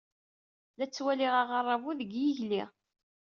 La ttwaliɣ aɣerrabu deg yigli.